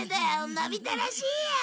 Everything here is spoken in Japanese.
のび太らしいや！